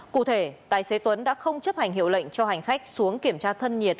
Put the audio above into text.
cụ thể tài xế tuấn đã không chấp hành hiệu lệnh cho hành khách xuống kiểm tra thân nhiệt